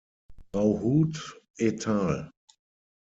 Rauhut et al.